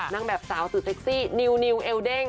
นั่งแบบสาวสูตรเซ็กซี่นิวนิวเอวเด้ง